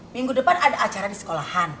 minggu depan ada acara di sekolahan